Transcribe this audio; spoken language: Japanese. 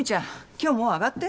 今日もう上がって。